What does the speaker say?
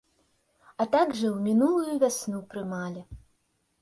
А так жа ў мінулую вясну прымалі.